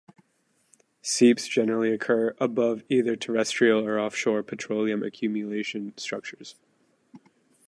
Seeps generally occur above either terrestrial or offshore petroleum accumulation structures.